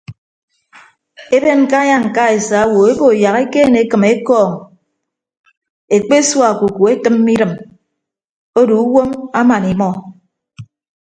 Eben ñkanya ñka esa owo obo yak ekeene ekịm ekọọñ ekpesua okuku etịmme idịm odu uwom aman imọ.